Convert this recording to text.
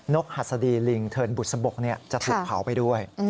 กหัสดีลิงเทินบุษบกจะถูกเผาไปด้วย